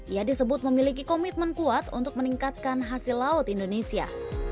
ia disebut memiliki komitmen kuat untuk meningkatkan hasil laut indonesia